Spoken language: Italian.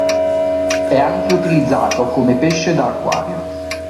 È anche utilizzato come pesce da acquario.